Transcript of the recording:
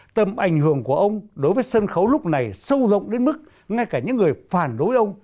tầm ảnh hưởng của ông đối với sân khấu lúc này sâu rộng đến mức ngay cả những người phản đối ông